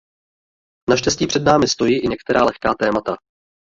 Naštěstí před námi stojí i některá lehká témata.